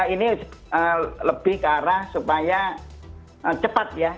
ini lebih ke arah supaya cepat ya